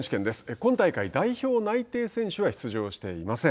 今大会、代表内定選手は出場していません。